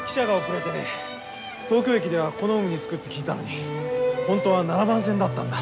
東京駅ではこのホームに着くって聞いたのに本当は７番線だったんだ。